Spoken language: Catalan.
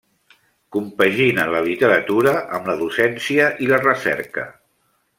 Compagina la literatura amb la docència i la recerca.